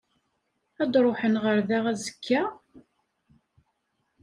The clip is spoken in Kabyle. Ad d-ruḥen ɣer da azekka?